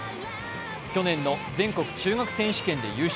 去年の全国中学選手権で優勝。